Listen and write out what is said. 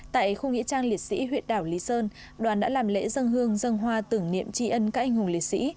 tại khu nghĩa trang liệt sĩ huyện đảo lý sơn đoàn đã làm lễ dân hương dân hoa tưởng niệm tri ân các anh hùng liệt sĩ